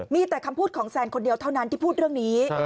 มีแต่คำพูดของแซนคนเดียวเท่านั้นที่พูดเรื่องนี้